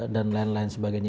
dan lain lain sebagainya